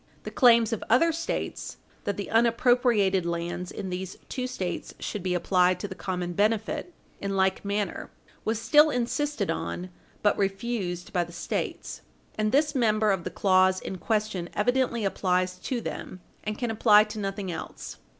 The claims of other States that the unappropriated lands in these two States should be applied to the common benefit in like manner was still insisted on, but refused by the States. And this member of the clause in question evidently applies to them, and can apply to nothing else.